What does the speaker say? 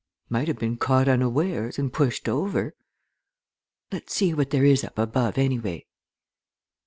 "Might have been caught unawares, and pushed over. Let's see what there is up above, anyway."